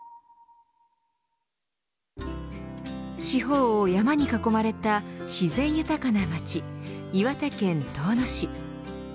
四方を山に囲まれた自然豊かな町岩手県遠野市。